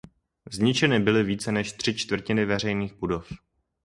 Zničeny byly více než tři čtvrtiny veřejných budov.